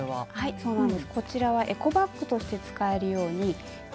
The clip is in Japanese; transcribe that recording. そうなんです。